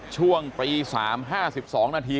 ช่วงตี๓๕๒นาที